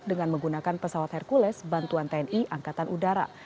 dengan menggunakan pesawat hercules bantuan tni angkatan udara